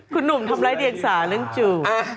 คุณหนุ่มทำร้ายเดียงสาเรื่องจือ